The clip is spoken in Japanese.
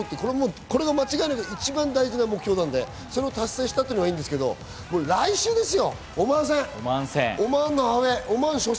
これは間違いなく一番大事な目標なのでそれを達成したのはいいんですけど、来週ですよ、オマーン戦。